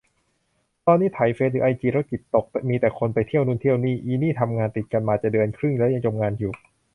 ตอนนี้ไถเฟซหรือไอจีแล้วจิตตก มีแต่คนไปเที่ยวนู่นเที่ยวนี่ อินี่ทำงานติดกันมาจะเดือนครึ่งแล้วยังจมงานอยู่